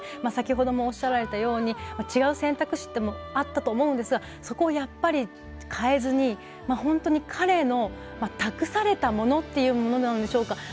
先ほどもおっしゃられたように違う選択肢もあったと思うんですがそこをやっぱり変えずに本当に彼の託されたものというものなどでしょうか。